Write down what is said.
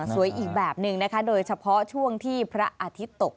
อีกแบบหนึ่งนะคะโดยเฉพาะช่วงที่พระอาทิตย์ตก